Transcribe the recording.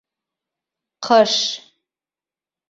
Ҡыш